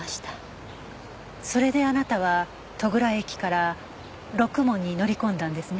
それであなたは戸倉駅からろくもんに乗り込んだんですね。